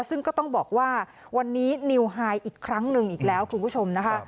ซึ่งก็ต้องบอกว่าวันนี้นิวไฮอีกครั้งหนึ่งอีกแล้วคุณผู้ชมนะคะ